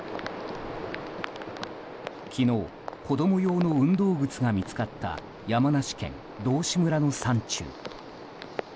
昨日、子供用の運動靴が見つかった山梨県道志村の山中。